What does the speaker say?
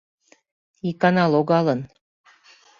Икана логалын.